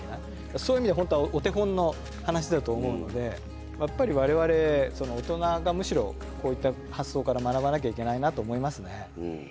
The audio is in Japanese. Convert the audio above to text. そういう意味では本当はお手本の話だと思うのでやっぱり我々おとながむしろこういった発想から学ばなきゃいけないなと思いますね。